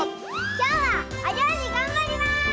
きょうはおりょうりがんばります！